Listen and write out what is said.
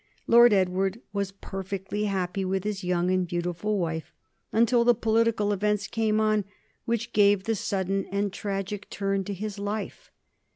Lord Edward was perfectly happy with his young and beautiful wife until the political events came on which gave the sudden and tragic turn to his life.